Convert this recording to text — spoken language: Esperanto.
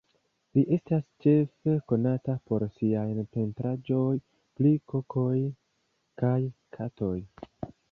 Li estas ĉefe konata por siaj pentraĵoj pri kokoj kaj katoj.